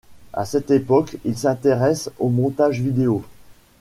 À cette époque, il s'intéresse au montage vidéo.